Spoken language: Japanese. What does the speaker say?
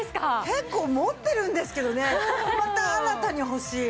結構持ってるんですけどねまた新たに欲しい。